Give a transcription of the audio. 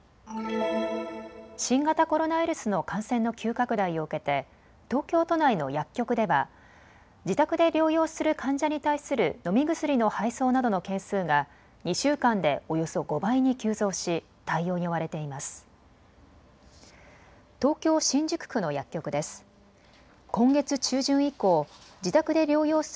新型コロナウイルスの感染の急拡大を受けて東京都内の薬局では自宅で療養する患者に対する飲み薬の配送などの件数が２週間でおよそ５倍に急増し対応に追われています。